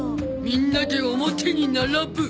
みんなで表に並ぶ！